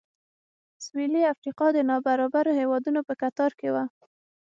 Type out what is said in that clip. سوېلي افریقا د نابرابرو هېوادونو په کتار کې و.